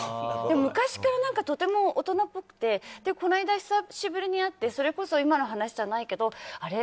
昔からとても大人っぽくてこの間、久しぶりに会って今の話じゃないけどあれ？